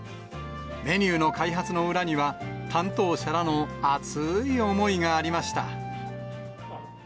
メニューの開発の裏には、担当者らの熱ーい思いがありました。